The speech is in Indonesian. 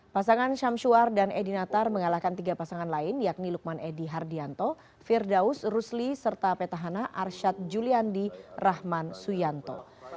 pasangan syamsuar dan edi natar mengalahkan tiga pasangan lain yakni lukman edi hardianto firdaus rusli serta petahana arsyad juliandi rahman suyanto